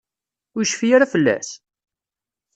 Ur yecfi ara fell-as?